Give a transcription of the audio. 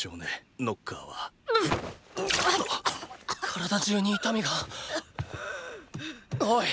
体中に痛みが！おい！